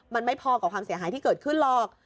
มันไม่พอกับความเสียหายที่เกิดขึ้นหรอก